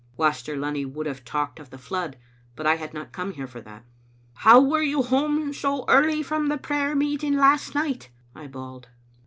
Waster Lunny would have talked of the flood, but I had not come here for that. " How were you home so early from the prayer meet ing last night?" I bawled.